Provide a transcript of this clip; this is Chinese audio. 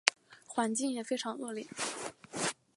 环境也十分的恶劣